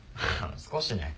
少しね。